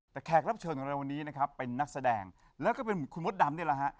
แต่แขกรับเชิญของเราวันนี้นะครับเป็นนักแสดงแล้วก็เป็นคุณมดดำนี่แหละฮะ